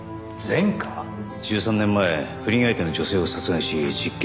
１３年前不倫相手の女性を殺害し実刑判決。